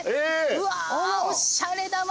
うわおしゃれだわ。